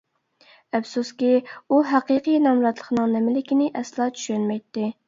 ئەپسۇسكى، ئۇ ھەقىقىي نامراتلىقنىڭ نېمىلىكىنى ئەسلا چۈشەنمەيتتى.